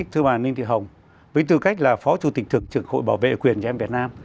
thưa bà ninh thị hồng với tư cách là phó chủ tịch thực trực hội bảo vệ quyền trẻ em việt nam